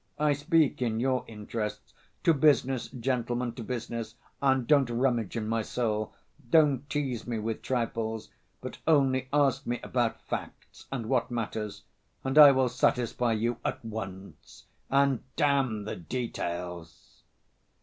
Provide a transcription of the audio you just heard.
I speak in your interests. To business, gentlemen, to business, and don't rummage in my soul; don't tease me with trifles, but only ask me about facts and what matters, and I will satisfy you at once. And damn the details!"